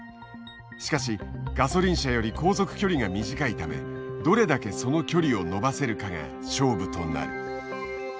しかしガソリン車より航続距離が短いためどれだけその距離を伸ばせるかが勝負となる。